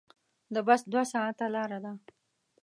د بس دوه ساعته لاره ده.